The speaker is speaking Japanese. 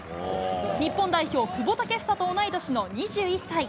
日本代表、久保建英と同い年の２１歳。